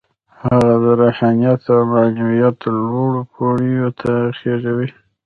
هغه د روحانيت او معنويت لوړو پوړيو ته خېژوي.